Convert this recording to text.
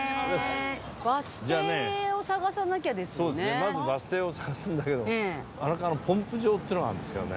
まずバス停を探すんだけど荒川のポンプ場っていうのがあるんですけどね。